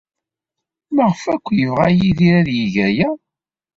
Maɣef akk ay yebɣa Yidir ad yeg aya?